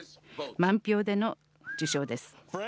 満票での受賞です。